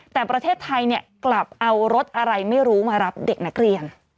แต่ประเทศไทยกลับเอารถอะไรไม่รู้มารับเด็กนักเรียน